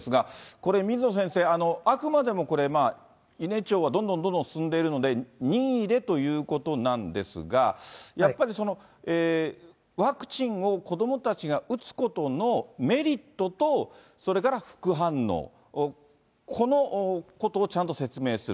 これ、水野先生、あくまでもこれ、伊根町はどんどんどんどん進んでいるので、任意でということなんですが、やっぱりワクチンを子どもたちが打つことのメリットと、それから副反応、このことをちゃんと説明する。